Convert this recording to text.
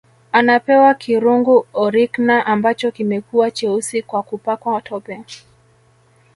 Anapewa kirungu Orikna ambacho kimekuwa cheusi kwa kupakwa tope